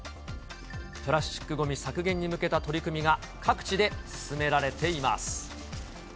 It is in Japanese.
プラスチックごみ削減に向けた取り組みが各地で進められています。